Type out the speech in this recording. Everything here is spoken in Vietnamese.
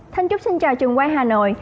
thân chúc xin chào trường quay hà nội